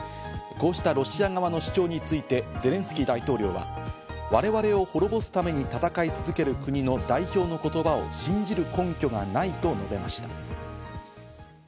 こうしたロシア側の主張についてゼレンスキー大統領は我々を滅ぼすために戦い続ける国の代表の言葉を信じる根拠がないと述べました。